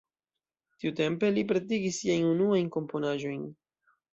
Tiutempe li pretigis siajn unuajn komponaĵojn.